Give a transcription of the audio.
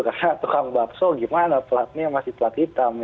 karena tukang bakso gimana pelatnya masih pelat hitam